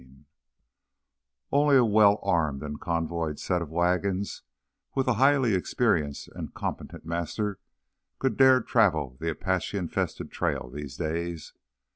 3 Only a well armed and convoyed set of wagons with a highly experienced and competent master could dare travel the Apache infested trails these days.